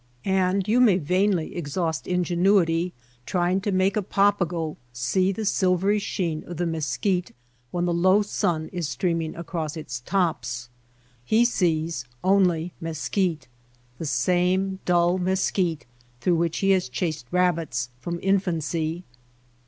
And you may vainly exhaust ingenuity trying to make a Pagago see the silvery sheen of the mesquite when the low sun is streaming across its tops. He sees only mesquite — the same dull mesquite through which he has chased rabbits from infancy.